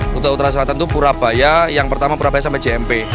kuta utara selatan itu purabaya yang pertama purabaya sampai jmp